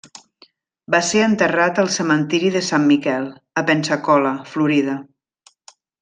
Va ser enterrat al cementiri de Sant Miquel, de Pensacola, Florida.